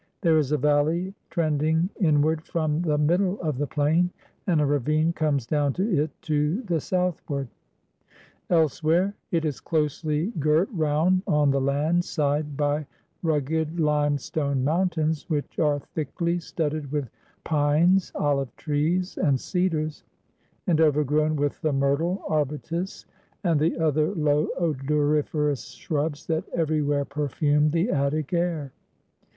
There is a valley trending inward from the middle of the plain, and a ravine comes down to it to the' southward. Elsewhere it is closely girt round on the land side by rugged limestone mountains, which are thickly studded with pines, ohve trees, and cedars, and overgrown with the myrtle, arbutus, and the other low odoriferous shrubs that everywhere perfume the Attic air.